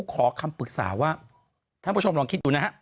ขอคำปรึกษาว่าท่านผู้ชมลองคิดดูนะฮะ